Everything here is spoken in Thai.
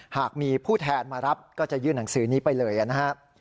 หากมีผู้แทนมารับก็จะยื่นหนังสือนี้ไปเลยนะครับ